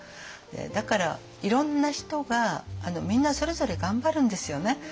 だからいろんな人がみんなそれぞれ頑張るんですよね。